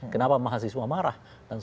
kenapa mahasiswa marah